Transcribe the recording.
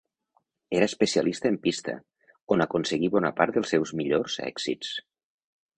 Era especialista en pista, on aconseguí bona part dels seus millors èxits.